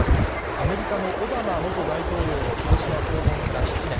アメリカのオバマ元大統領の広島訪問から７年。